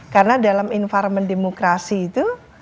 karena dalam environment demokrasi itu